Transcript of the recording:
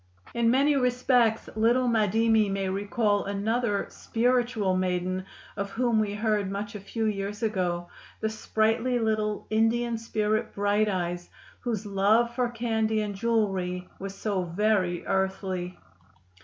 In many respects little Madimi may recall another "spiritual" maiden of whom we heard much a few years ago, the sprightly little Indian spirit "Bright Eyes," whose love for candy and jewelry was so very earthly.